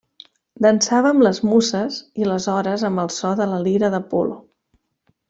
Dansava amb les Muses i les Hores amb el so de la lira d'Apol·lo.